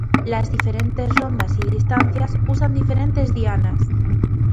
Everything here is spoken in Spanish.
Las diferentes rondas y distancias usan diferentes dianas.